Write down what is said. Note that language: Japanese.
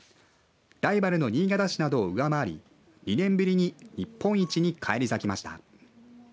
ライバルの新潟市などを上回り２年ぶりに日本一に返り咲きました。